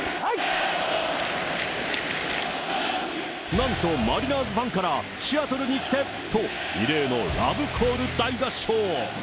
なんとマリナーズファンから、シアトルに来て！と異例のラブコール大合唱。